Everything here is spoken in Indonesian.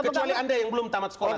kecuali anda yang belum tamat sekolah